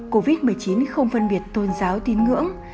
covid một mươi chín không phân biệt tôn giáo tín ngưỡng